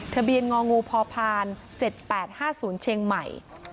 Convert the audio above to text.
ทะเบียนงงพพ๗๘๕๐เชียงใหม่